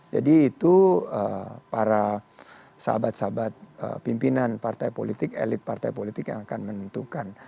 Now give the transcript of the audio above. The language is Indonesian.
jadi itu para sahabat sahabat pimpinan partai politik elit partai politik yang akan menentukan